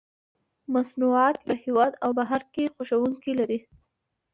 مصنوعات یې په هېواد او بهر کې خوښوونکي لري.